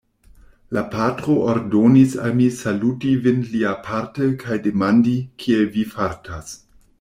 La patro ordonis al mi saluti vin liaparte kaj demandi, kiel vi fartas.